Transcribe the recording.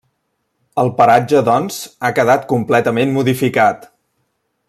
El paratge doncs ha quedat completament modificat.